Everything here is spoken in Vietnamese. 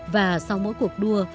và sau mỗi cuộc đua